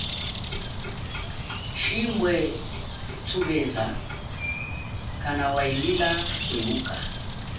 Chibwe thubeza kana wahilila kwehuka.